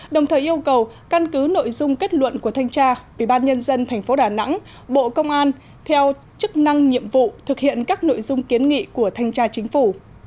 đồng thời yêu cầu căn cứ nội dung kết luận của thanh tra ubnd tp đà nẵng bộ công an theo chức năng nhiệm vụ thực hiện các nội dung kiến nghị của thanh tra chính phủ